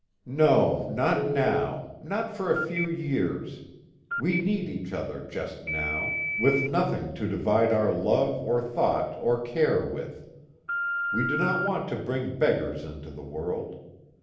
"No, not now; not for a few years. We need each other just now, with nothing to divide our love or thought or care with. We do not want to bring beggars into the world.